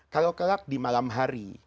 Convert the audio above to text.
kalau kelak di malam hari